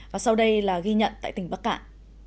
và sau đây là ghi nhận tại tỉnh bắc cạn